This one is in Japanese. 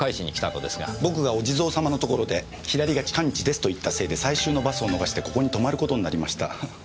僕がお地蔵様のところで左が近道ですと言ったせいで最終のバスを逃してここに泊まることになりました。